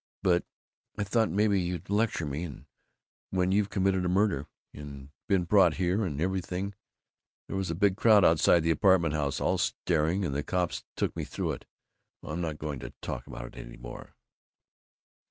But I thought maybe you'd lecture me, and when you've committed a murder, and been brought here and everything there was a big crowd outside the apartment house, all staring, and the cops took me through it Oh, I'm not going to talk about it any more."